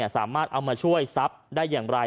สามารถเอามาช่วยทรัพย์ได้อย่างไร